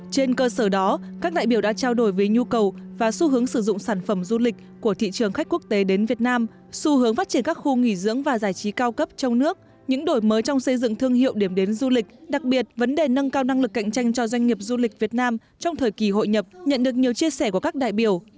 trên cơ sở đó các đại biểu đã trao đổi về nhu cầu và xu hướng sử dụng sản phẩm du lịch của thị trường khách quốc tế đến việt nam xu hướng phát triển các khu nghỉ dưỡng và giải trí cao cấp trong nước những đổi mới trong xây dựng thương hiệu điểm đến du lịch đặc biệt vấn đề nâng cao năng lực cạnh tranh cho doanh nghiệp du lịch việt nam trong thời kỳ hội nhập nhận được nhiều chia sẻ của các đại biểu